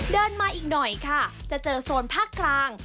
เดินมาอีกหน่อยค่ะจะเจอโซนภาคกลาง